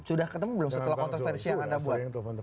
sudah ketemu belum setelah kontroversi yang anda buat